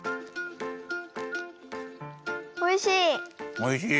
おいしい！